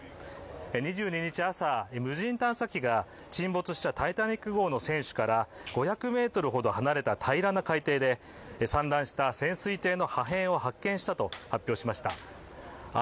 ２２日朝、無人探査機が沈没した「タイタニック」号の船首から５００ｍほど離れた平らな海底で散乱した潜水艇の破片を発見したと発表しました。